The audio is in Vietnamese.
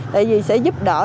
tại vì sẽ giúp đỡ